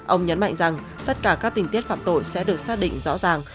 ông nhấn mạnh rằng tất cả các tình tiết phạm tội sẽ được xác định rõ ràng